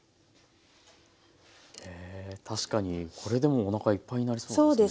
確かにこれでもうおなかいっぱいになりそうですね。